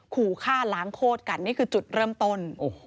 ขู่ฆ่าล้างโคตรกันนี่คือจุดเริ่มต้น